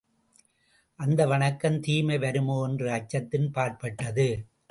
அந்த வணக்கம் தீமை வருமோ என்ற அச்சத்தின் பாற்பட்டது.